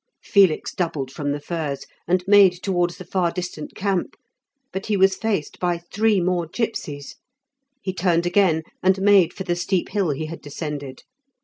Felix doubled from the firs, and made towards the far distant camp; but he was faced by three more gipsies. He turned again and made for the steep hill he had descended.